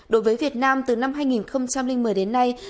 đối với việt nam từ năm hai nghìn một mươi đến nay